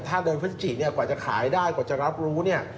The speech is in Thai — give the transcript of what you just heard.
ถ้าเดือนพฤศจิกว่าจะขายได้กว่าจะรับรู้